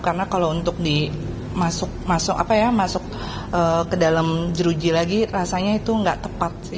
karena kalau untuk masuk ke dalam jeruji lagi rasanya itu nggak tepat